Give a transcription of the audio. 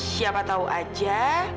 siapa tau aja